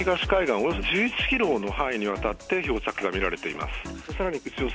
およそ１１キロの範囲にわたって漂着が見られています。